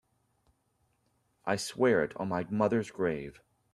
I swear it on my mother's grave.